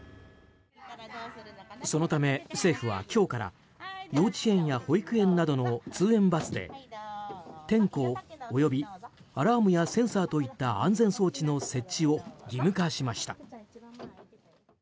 そのため政府は今日から幼稚園や保育園などの通園バスで点呼およびアラームやセンサーといった安全装置の設置を義務化しました。